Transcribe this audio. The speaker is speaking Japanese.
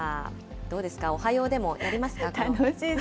どうですか、おはようでもやりますか。